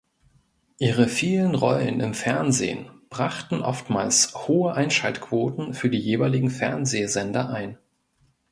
Ihre vielen Rollen im Fernsehen brachten oftmals hohe Einschaltquoten für die jeweiligen Fernsehsender ein.